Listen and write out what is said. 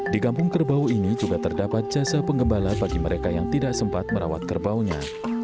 di kampung kerbau ini juga terdapat jasa pengembala bagi mereka yang tidak sempat merawat kerbaunya